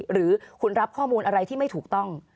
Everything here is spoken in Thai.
หรือคุณรับข้อมูลอะไรที่ไม่ถูกต้อง